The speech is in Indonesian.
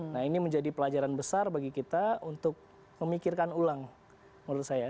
nah ini menjadi pelajaran besar bagi kita untuk memikirkan ulang menurut saya